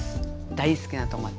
大好きなトマト。